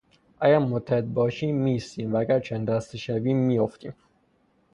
اگر متحد باشیم میایستیم و اگر چند دسته شویم میافتیم.